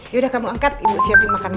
ya udah kamu angkat ibu siapin makan malam ya